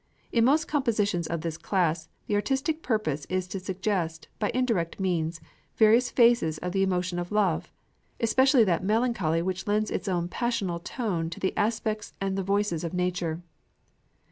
In most compositions of this class, the artistic purpose is to suggest, by indirect means, various phases of the emotion of love, especially that melancholy which lends its own passional tone to the aspects and the voices of nature.